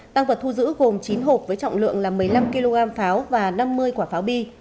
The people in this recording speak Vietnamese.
tăng vật thu giữ gồm chín hộp với trọng lượng là một mươi năm kg pháo và năm mươi quả pháo bi